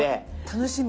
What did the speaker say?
楽しみ。